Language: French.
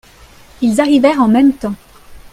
Ils arrivèrent en même temps.